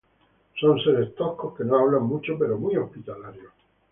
Son seres toscos que no hablan mucho, pero muy hospitalarios.